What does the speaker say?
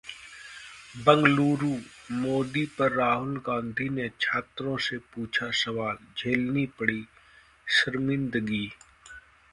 बंगलुरू: मोदी पर राहुल गांधी ने छात्रों से पूछा सवाल, झेलनी पड़ी शर्मिंदगी